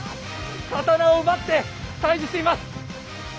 刀を奪って対峙しています！